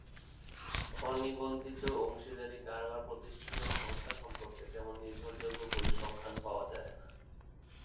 অনিবন্ধিত অংশীদারি কারবার প্রতিষ্ঠানের সংখ্যা সম্পর্কে তেমন নির্ভরযোগ্য পরিসংখ্যান পাওয়া যায় না।